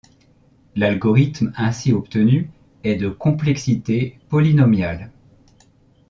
L'algorithme ainsi obtenu est de complexité polynomiale.